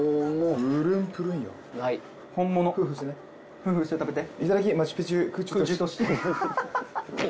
フフして食べて。